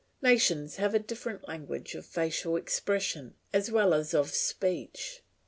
Nations have a different language of facial expression as well as of speech.